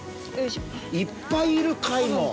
いっぱいいる、貝も。